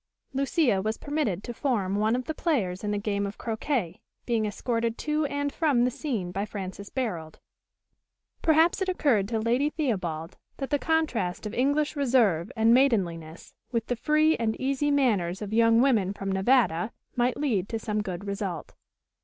Lucia was permitted to form one of the players in the game of croquet, being escorted to and from the scene by Francis Barold. Perhaps it occurred to Lady Theobald that the contrast of English reserve and maidenliness with the free and easy manners of young women from Nevada might lead to some good result.